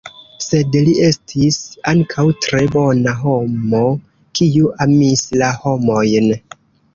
Sed li estis ankaŭ tre bona homo, kiu amis la homojn.